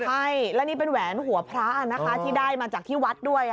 ใช่และนี่เป็นแหวนหัวพระนะคะที่ได้มาจากที่วัดด้วย